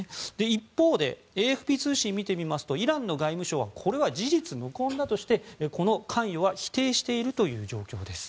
一方でＡＦＰ通信を見てみますとイランの外務省はこれは事実無根だとしてこの関与は否定しているという状況です。